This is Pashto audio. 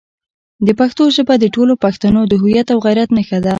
پښتو ژبه د ټولو پښتنو د هویت او غیرت نښه ده.